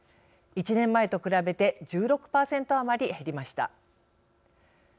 １年前と比べて１６％余り減りました。